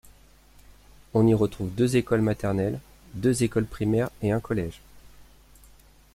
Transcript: On y trouve deux écoles maternelles, deux écoles primaires et un collège.